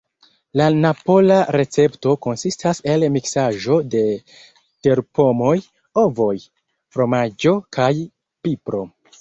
La napola recepto konsistas el miksaĵo de terpomoj, ovoj, fromaĝo kaj pipro.